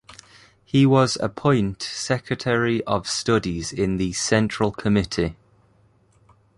He was appoint Secretary of Studies in the Central Committee.